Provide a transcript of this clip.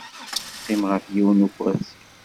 Teqqim ɣef yiwen n ukersi.